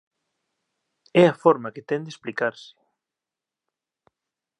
É a forma que ten de explicarse